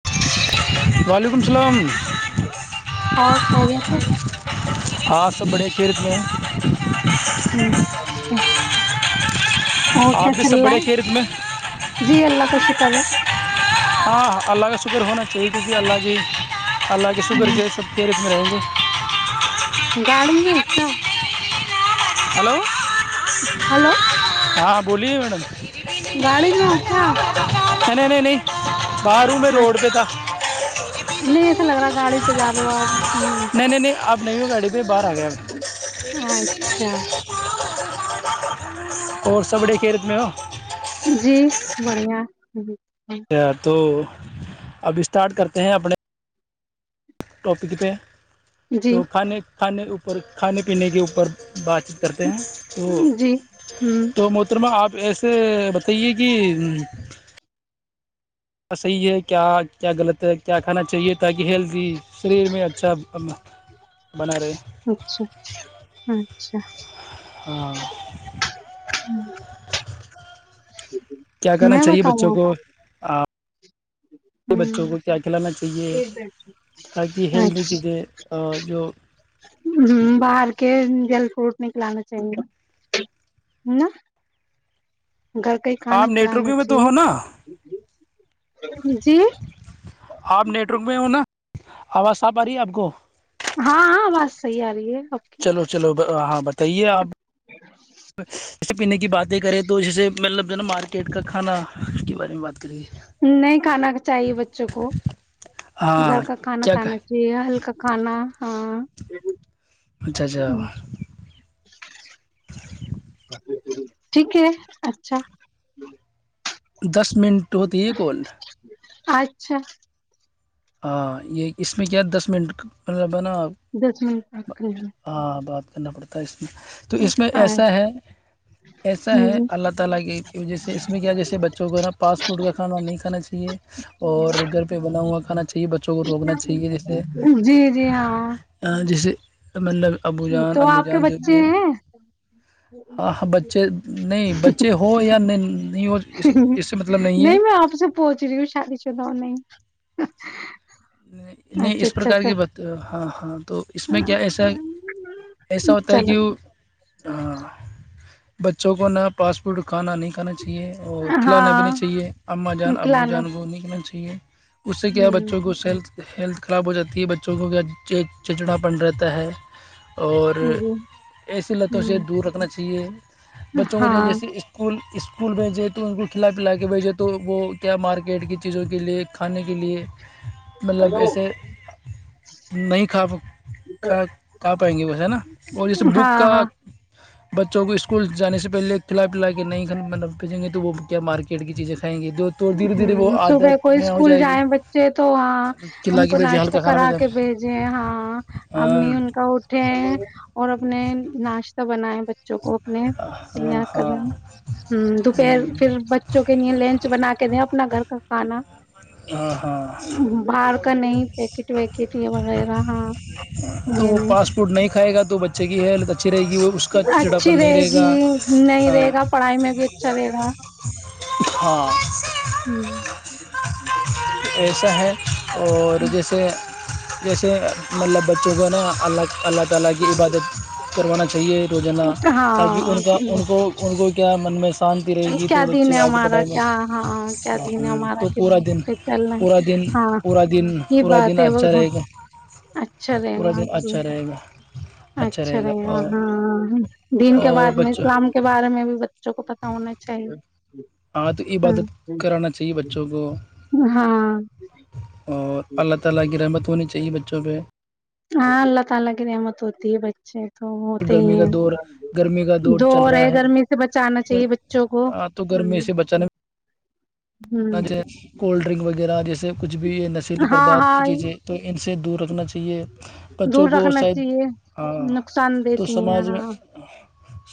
[inaudible] وعلیکم السلام اور خیریت ہے آ سب بڑھ [unintelligible] پھر میں [inaudible] ج [inaudible] اوکے آپ چ بھی سب بڑے خیرت میں جی اللہ کا شکر ہے [unintelligible] ہاں اللہ کا شکر ہونا چاہیے کیونکہ اللہ کے [inaudible] اللہ کے شکر ہ کے سب فیرت میں رہیں گے [inaudible] س گاڑی میں ہو کیا ہلو ہلو ہاں بولیے میڈم ج گاڑی میں ہو کیا رام ن نہیں نہیں باہروں میں روڈ اچ- پہ تھا نہیں ایسا لگ رہا گاڑی پہ جا لو آپ ہ نہیں نہیں نہیں آپ نہیں ہو میڈ ب باہر آ گ ا اچھا اور سبڑے کھیرت میں جی بڑھیا ج ا تو اب اسٹارٹ کرتے ہیں اپنے ٹاپک پ تو جی کھانے کھانےوپر پر کھانے پینے کے اوپر بات چیت کرتے ہیں تو جی ہوں تو محترمہ آپ ایسے بتائیے کہ صحیح ہے کیا کیا غلط ہے کیا کھانا چاہیے تاکہ ہیلدی شریر میں اچھا بن رہے اچھا اچھا ہ ج کیا کرنا چاہیے بچوں کو آ ہ کھلانا چاہیے تاکہ اچھا ہیلدی چیزیں جو ہ باہر کے جل فروٹ نکلانا چاہیے ہ گھر کا ہی کھانا آپ نیٹورک کھلانا میں تو چاہیے ہو نا جی آپ نیٹورک میںہ ہو نا آواز ساںپ آ رہی آپ کو ہاں ہاں آواز صحیح آ رہی ہے اب چلو چلو ہاں تویے آپ جیسے پینے کی باتیں کریں تو جیسے مطلب جو نا مارکیٹ کا کھانا کے بارے میں بات کریے نہیں کھانا چاہیے بچوں کو گھر ہاں کا کھانا کیا کہ کھانا چاہیے ہلکا کھانا ہاں اچھا اچھا [inaudible] ٹھیک ہے اچھا دس اس منٹ ہوتی ہے کون اچھا ہاں یہ اس میں کیا دس منٹ مطلب ہے نا دس منٹ پس کرے ہاں بات کرنا پڑتا ہے اس تو اس میں ایسا ہے ایسا ہے اللہ تعالی کی وجہ سے اس میں کیا جیسے بچوں کو نا پاسپورٹ کا کام نہیں کھانا چاہیے اور گھر پہ بنا ہوا کھانا چاہیے بچوں کو روکنا چاہیے جیسے جی جی ہاں جیسے مطلب ابو جان تو امی آپ کے جان جو بچے بھی ہے ہیں ہاں ہاں بچے نہیں بچے ہو یا نہیں نہیں ہو اس اس سے مطلب ہے نہیں میں آپ سے پہنچ رہی ہوں شادی چناؤ نہیں [inaudible] نہیں اچھا اس اچھا پرکار اچھا کی بات ہاں ہاں تو اس میں کیا ایسا ایسا ہوتا ہے چلو کہ وہ ہاں بچوں کو فاسٹ فوڈ کھانا نہیں کھانا چاہ چاہیے اور کھلانا بھی نہیں ہاں چاہیے اما جان ابو کھلانا جان وہ چاہیے ھ ہے اس سے کیا ہے ہوں بچوں کو اس سے ہیلتھ خراب ہو جاتی ہے بچوں کو کیا چچڑا پن رہتا ہے اور جی ایسی لتوں سے ہوں دور رکھنا یہ بچوں کو جو ہاں جیسے اسکول اسکول بھیجے تو ان کو کھلا پلا کے بھیجے تو وہ کیا مارکیٹ کی چیزوں کے لیے کھانے کے لیے مطلب ایسے نہیں کھا ک کھا پائیں گے ویسے ہے نا اور جیسے بک ہاں ہاں کا بچوں کو اسکول جانے سے پہلے کھلا پلا کے نہیں بھیجیں گے تو وہ کیا مارکیٹ کی چیزیں کھائیں گے جو تو دھیرے دھیرے وہ ہمم صبح عادت کوئی میں ہو اسکول گی جائے بچے تو ہاں کھلا ان کے کو بھیجے ناشتہ ہلکا کھانا کرا بھیجا کے بھیجیں ہاں ہاں امی ان کا اٹھے اور نے ناشتہ بنایا ب بوں کو اپنے تار کر رہے ہاں ہیں ہ دوپہر پھر بچوں کے لیے لنچ کچھ بنا کے دیں اپنا گھر کا کھانا ہاں ہاں باہر کا نہیں پیکٹ ویکٹ یا وغیرہ ہاں تو یہ وہ نہیں فاسٹ فوڈ نہیں کھائے گا تو بچے کی ہیلتھ اچھی رہے گی وہ اس کا اچھی چڑاپن نہیں رہے گی گا ہاں ہاں [inaudible] ہمم [inaudible] [unintelligible] اور جیسے جیسے مطلب بچوں کو نا اللہ اللہ تال کی عبادت کروانا چاہیے روزانہ تاکہ ان کا ہاں ان کو ان کو کیا من میں شانتی رہے گی کیا تو دن بچے ہے آگے ہمارا پڑھائی میں کیا ہاں کیا دن ہے ہمارا تو کس پورا دن پ چلنا پورا دن ہاں پورا دن یہ پورا دن بات ہے وہ اچھا رہے گا اچھا رہے پورا گا دن جی اچھا رہے گا اچھا رہے گا ہاں دین کے اور بعد میں بچوں اسلام کے بارے میں بھی ب بچوں کو پتا ہونا چاہیے ہاں تو ہ عبادت کرانا چاہیے بچوں کو اور ہاں اور اللہ تعالی کی رحمت ہونی چاہیے بچوں پہ ہاں اللہ تعالی کی رحمت ہوتی ہے بچوں پہ تو وہ تو ہی گرمی کا دور گرمی کا ہے دور دو چل رہ رہا ہے گرمی سے بچانا چاہیے بچوں کو ہاں ہ ہ ان چ کولڈ ڈرنک وغیرہ جیس س کچھ بھی یہ نشیلی ہاں پردارت کی ہاں چیزیں تو ان سے دور روکنا چاہیے بچوں دور کو رکھنا شاید چاہیے ہاں نقصان تو دیتی ہیں سماج میں ہاں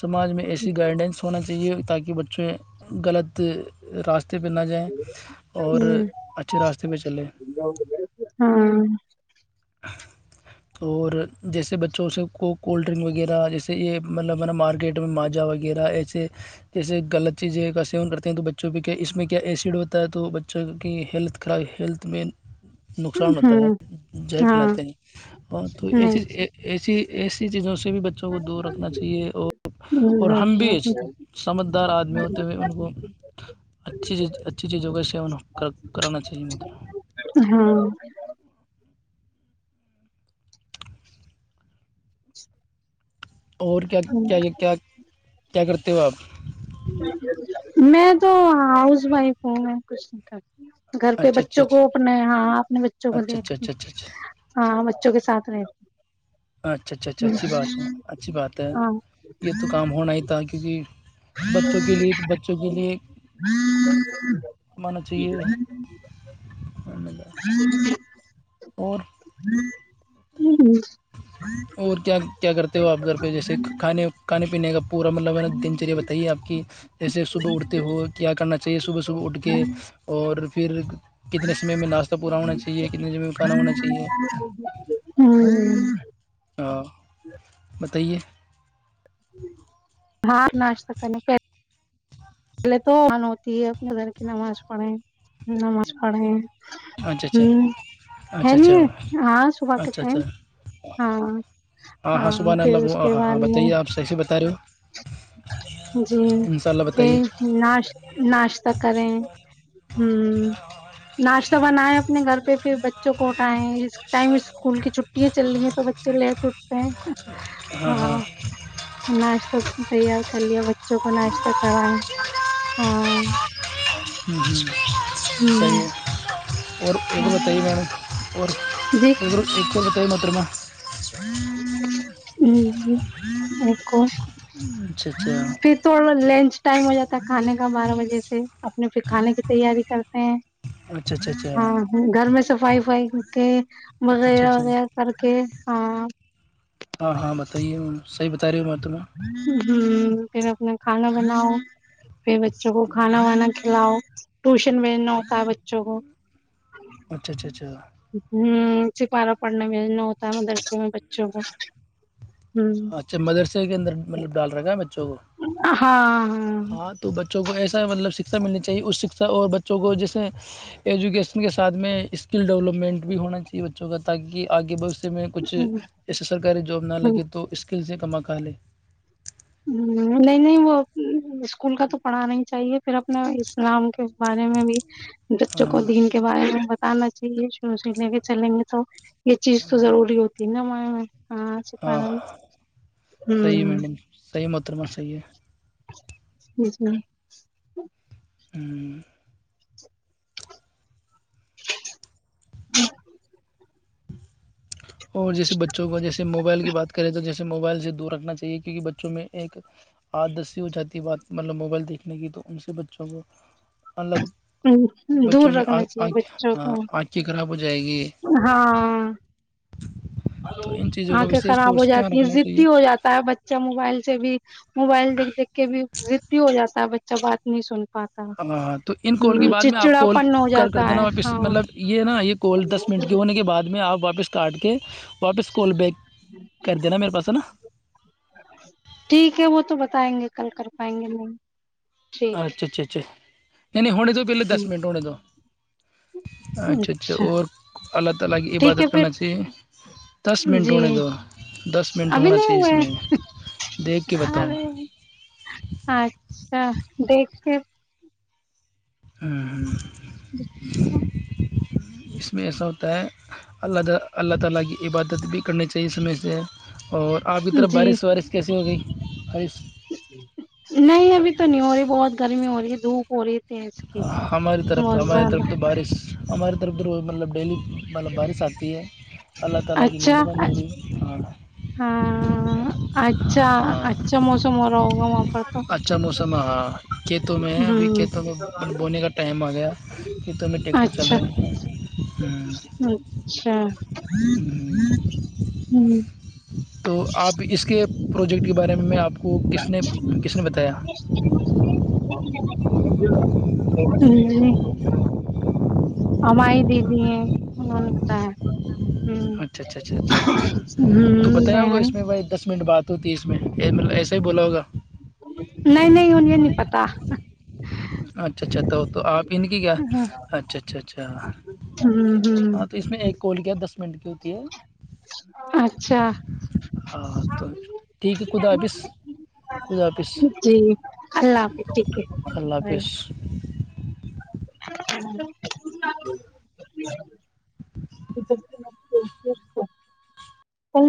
سماج میں ایسی گائیڈینس ہونا چیے تو یہ بتا کے بچے غلط راست نہ جائیں اور ہوں اچھے راستے پہ چلیں ہاں اور جیسے بچوں سے کو کولڈ ڈرنک وغیرہ جیسے یہ مطلبا مارکی یٹ میں ماجا وغیرہ ایچ جیسے غلط چیزیں کا سیون کرتے ہیں تو بچوں پہ کیا اس میں کیا ایسڈ ہوتا ہے تو بچوں کی ہیلتھ خراب ہیلتھ میں نقصان ہوتا ہے ہوں ج ہاں پلاتے نہیں تو ای چ نہیں [inaudible] جی ایسی چیزوں سے بھی بچوں کو دور رکھنا چاہیے اور اور ہم بھی سمجھدار آدمی ہوتے ہوئے ان کو اچھی چیز اچھی چیزوں کا سیون کرانا چاہیے م ہاں [unintelligible] اور کیا کیا کیا کیا کیا کرتے [unintelligible] تیواب [unintelligible] میں تو ہاؤس وائف ہوں میں کچھ نہیں کرتی گھر پہ اچھا اچھا بچوں کو اپنے ہاں اپنے بچوں کو اچھا دیکھ اچھا اچھا اچھا اچھا اچھا ہاں بچوں کے ساتھ رہتے اچھا اچھا اچھا اچھی بات ہے اچھی بات ہے ہاں یہ تو کام ہونا ہی تھا کیونکہ بچوں کے لیے تو بچوں کے لیے کمانا چاہیے ہ ہ اور [unintelligible] ہ ہ [unintelligible] اور کیا کیا کرتے ہو آپ گھر پہ جیسے کھانے کھانے پینے کا پورا مطلبا دن چریا بتائیے آپ کی جیسے صبح اٹھتے ہو کیا کرنا چاہیے صبح صبح اٹھ کے اور پھر کتنے سمے میں ناشتہ پورا ہونا چاہیے کتنے سمعے کھانا ہونا چاہیے تو [unintelligible] بتائیے ہاں ناشتا کرنے پہلے تو اذان ہوتی ہے پھر اپنےگھر کے اندھر نماز پڑھیں نماز پڑھیں اچھا ہوں اچھا ہے اچھا نہیں ہاں صبح اچھا کے اچھا اچھا ٹائم ہاں ہاں ہاں صبح نہ پھر لبو اس کے ہاں ہاں بعد میں بتائیے آپ صحی سے بتا رہے ہو ہ جی بتائیے پھر ناش ناشتہ کریں ہ ناشتہ بنائے اپنے گھر پہ پھر ب چوں کو اٹھائے اس ٹائم اسکول کی چھٹیاں چل رہی ہیں تو بچے لیٹ اٹھ رہے ہیں ہاں ناشہ ک لیا بچوں کو ناشہ کر ہاں ہوں ہوں ہ صحیح ہے اور ایک ہاں اور بتائیے میڈم اور ج ایک اور ایک اور بتائیے محترمہ ہ ایک [unintelligible] اچھا اچھا پھر تھوڑا لنچ ٹائم ہو جاتا کھانے کا [unintelligible] بارہ بجے سے [unintelligible] اپنے پھر کھانے کی تیاری کر [unintelligible] پ اچھا اچھا [inaudible] اچھا ہاں گھر میں صفائی وفائی کر کے اچھا وغیرہ اچھا وغیرہ کر کے [unintelligible] ہاں ہاں بتائیے سیحت [unintelligible] ہاں پھر اپنا کھانا بناؤ پھر بچوں کو کھانا وانا کلاؤ ٹیوشن بھیجنا ہوتا ہے بچوں کو اچھا اچھا اچھا ہ سپارہ پڑھنے میں ہوتا ہے مدرکوں میں بچوں کو ہ اچھا مدرسے کے اندر مطلب ڈالر کا [unintelligible] کو ہاں تو بچوں کو ایسا مطلب س شکھا ملنی چاہیے اس شکھا اور بچوں کو جیسے ایجوکیشن کے ساتھ میں اسکل ڈیولپمنٹ بھی ہونا چاہیے بچوں کا تاکہ آگے بش میں کچھ ایسے سرکاری جاب نہ لگے تو پل سے کماکا لے ہ نہیں نہیں وہ اسکول کا تو پڑھانا ہی چاہیے پھر اپنے اسلام کے بارے میں بھی بچوں ہاں کو دین کے بارے میں آنا چاہیے شوز لے کے چلیں گے تو یہ چیز تو ہاں ضوری ہوتی ہے نا ہاں ہاںچ پڑ ہاں ہوں صحیح ہے میڈم صحیح متر میں صحیح ہے جی جی ہوں ہ [unintelligible] ہاں [unintelligible] اور جیسے بچوں کو جیسے موبائل کی بات کریں تو جیسے موبائل سے رکھنا چاہیے کیونکہ بچوں میں ایک آادسی ہو جاتی ہے بات مطلب موبائل دیکھنے کی تو ان سے بچوں کو الگ ہ دور بچوں میں رکھنا چاہیے آنکھ بچوں کو آنکھ کی خراب ہو جائے گی ہاں تو ان چیزوں کا آنکھیں وشیش خراب طور ہو سے دھیان جاتی رکھنا ہیں چاہیے دی ہو جاتا ہے بچہ موبائل سے بھی موبائل دیک دیکھ کے بھی ضدی ہو جاتا ہے بچ اچ بات نہیں سنتا ہاں ہاں تو ان کال کے بعد میں آپ کال پن ہو کر جاتا کر دینا ہے واپس ہاں مطلب یہ کوال دس منٹ کے ہونے کے بعد میں آپ واپس کاٹ کے واپس کال بیک کر دینا میرے پاس نا ٹھیک ہے وہ تو بتائیں گے کل کر پائیں گے نہیں ٹھیک اچھا اچھا اچھا نہیںنی ہوڑ ہے ہ اچھا اچھا اچھا اور اللہ تعالیٰ کی ٹھیک ہے عبادت کرنا چاہیے دس پھر منٹ جی ہونے دو دس منٹ ابھی ہونا نہیں چاہیے اس ہوئے میں دیکھ کے بتاؤ ارے ہ دیکھتے ہاں ہاں [inaudible] اس میں ایسا ہوتا ہے اللہ اللہ تعالیٰ کی عبادت بھی کرنی چاہیے سمے سے اور آپ کی طرف جی بارش وارش کیسی ہو گئی بارش نہیں ابھی تو نہیں ہو رہی بہت گرمی ہو رہی ہے د پوری ہماری طرف ہماری طرف تو بارش ہماری طرف جو رو مطلب ڈیلی مطلب بارش آتی ہے اللہ تلگ نو اچھا بندی ہ ہاں اچھا ہاں اچھا موسم ہو رہا ہوگا وہاں پر تو اچھا موسم ہے ہ بٹ بونے کا ٹائم آ گیا کہ تو ہمیں ٹیکٹر چل اچھا رہے ہ ہوں ہوں ہ تو آپ اس کے پروجیکٹ کے بارے میں میں آپ کو کس نے کس نے بتایا جی ہمماری دیدی ہے ہوتا ہے اچھا اچھا اچھا اچھا اا تو ہوں بتایا ہوگا اس بہن میں بھائی دس منٹ بات ہو تیس میں ایسا ہی بولا ہوگا نہیں نہیں انہیں نہیں پتا اچھا اچھا تو تو آپ ان کی کیا ہوں اچھا اچھا اچھا ہوں ہاں تو اس میں ایک کول گیا دس منٹ کی ہوتی ہے اچھا ہاں تو ٹھیک ہے خدا حافظ خدا حافظ جی اللہ حافظ ٹھیک اللہ حافظ ہے بائے پس [inaudible] [inaudible]